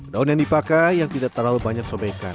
daun yang dipakai yang tidak terlalu banyak sobekan